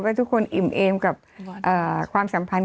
ทุกคนอิ่มเอมกับความสัมพันธ์